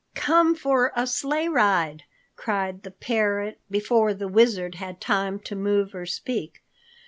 "Come for a sleigh ride," cried the parrot before the Wizard had time to move or speak.